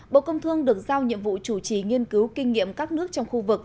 bộ công thương được giao nhiệm vụ chủ trì nghiên cứu kinh nghiệm các nước trong khu vực